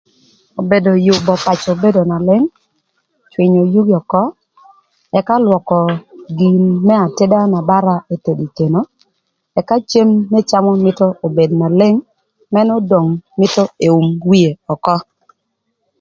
Obedo yübö pacö bedo na leng, cwïnyö yugi ökö ëka lwökö gin më ateda na bara eketho ï keno ëka cem n'ëcamö mïtö obed na leng mënë odong mïtö eum wie ökö.